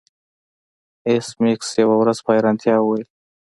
ایس میکس یوه ورځ په حیرانتیا وویل